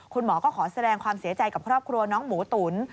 คุณหมอก็ขอแสดงความเสียใจกับครอบครัวน้องหมูตุ๋น